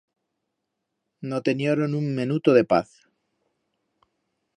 No tenioron un menuto de paz.